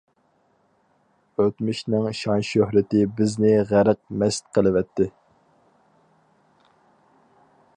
ئۆتمۈشنىڭ شان-شۆھرىتى بىزنى غەرق مەست قىلىۋەتتى.